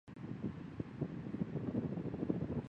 伊顿公学以其古老的传统和特别的校服而闻名。